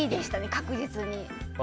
確実に。